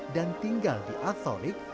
dan tinggal di atolik